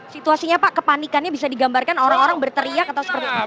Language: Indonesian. situasinya pak kepanikannya bisa digambarkan orang orang berteriak atau seperti apa